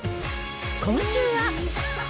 今週は。